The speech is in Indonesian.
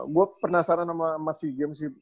gue penasaran sama si james sih